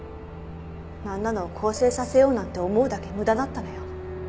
あんなのを更生させようなんて思うだけ無駄だったのよ。